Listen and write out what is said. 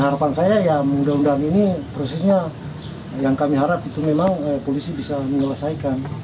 harapan saya ya mudah mudahan ini prosesnya yang kami harap itu memang polisi bisa menyelesaikan